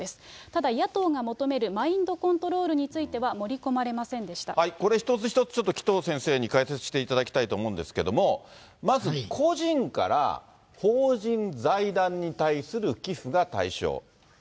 ただ、野党が求めるマインドコントロールについては、盛り込まれませんこれ、一つ一つ、ちょっと紀藤先生に解説していただきたいと思うんですけれども、まず個人から法人、財団に対する寄付が対象。